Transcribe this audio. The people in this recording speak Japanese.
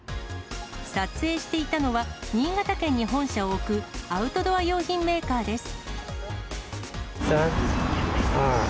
撮影していたのは、新潟県に本社を置くアウトドア用品メーカーです。